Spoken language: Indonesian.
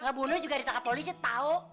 ngebunuh juga ditangkap polisi tau